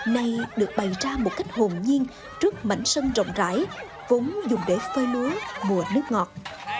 này được bày ra một cách hồn nhiên trước mảnh sân rộng rãi vốn dùng để phơi lúa mùa nước ngọt